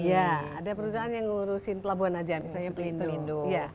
ya ada perusahaan yang ngurusin pelabuhan aja misalnya pelindu